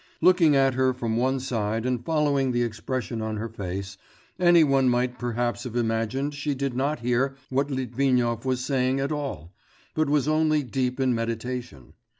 Looking at her from one side and following the expression on her face, any one might perhaps have imagined she did not hear what Litvinov was saying at all, but was only deep in meditation....